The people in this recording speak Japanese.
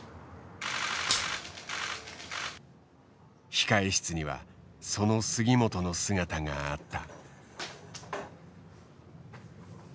控え室にはその杉本の姿があった。